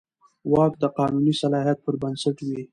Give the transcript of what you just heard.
واک د قانوني صلاحیت پر بنسټ وي.